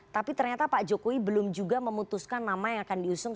tapi ternyata pak jokowi belum juga memutuskan nama yang akan diusung